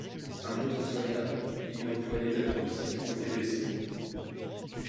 Un autre soldat et une employée de la boutique ont été blessés.